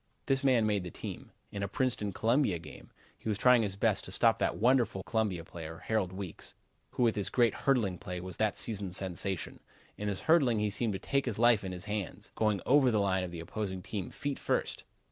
This man made the team. In a Princeton Columbia game he was trying his best to stop that wonderful Columbia player, Harold Weekes, who with his great hurdling play was that season's sensation. In his hurdling he seemed to take his life in his hands, going over the line of the opposing team feet first.